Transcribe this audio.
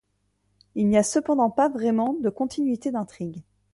Il n'y a cependant pas vraiment de continuité d'intrigue.